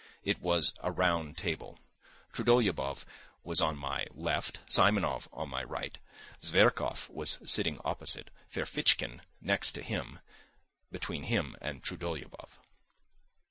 It was a round table. Trudolyubov was on my left, Simonov on my right, Zverkov was sitting opposite, Ferfitchkin next to him, between him and Trudolyubov.